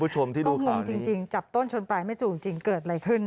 จนรอบนี้